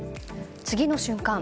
次の瞬間